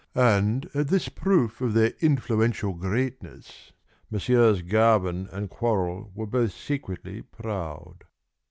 And at this proof of their influential greatness, Messieurs Garvin and Quorrall were both secretly proud.